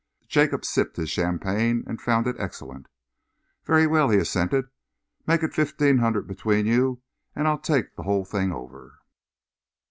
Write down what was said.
Jacob sipped his champagne and found it excellent. "Very well," he assented, "make it fifteen hundred between you and I'll take the whole thing over."...